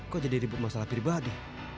kok jadi ribut masalah pribadi